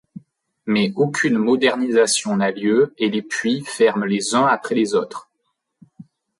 Mais aucune modernisation n'a lieu et les puits ferment les uns après les autres.